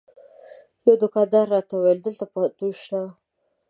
یوه دوکاندار راته وویل دلته پوهنتون شته.